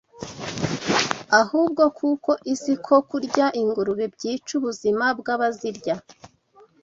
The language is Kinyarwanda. ahubwo kuko izi ko kurya ingurube byica ubuzima bw’abazirya